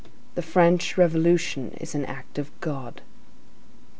The French revolution is an act of God.